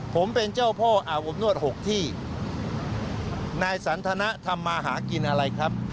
ผมเป็นเจ้าพ่ออาบอบนวดหกที่นายสันทนะทำมาหากินอะไรครับ